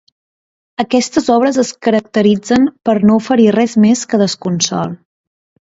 Aquestes obres es caracteritzen per no oferir res més que desconsol.